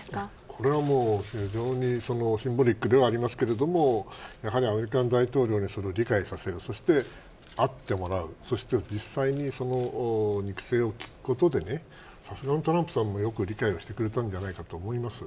これは非常にシンボリックではありますがアメリカの大統領に理解をさせ会ってもらい実際に肉声を聞くことでさすがのトランプさんもよく理解してくれたんではないかと思います。